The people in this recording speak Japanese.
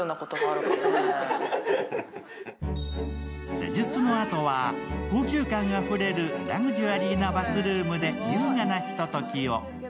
施術のあとは高級感あふれるラグジュアリーなバスルームで優雅なひとときを。